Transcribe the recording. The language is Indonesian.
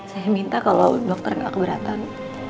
saya minta kalau dokter nggak keberatan